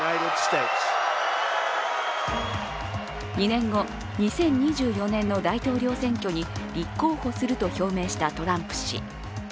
２年後、２０２４年の大統領選挙に立候補すると表明したトランプ氏。